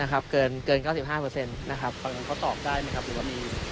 เขาตอบได้มั้ยครับหรือว่ามี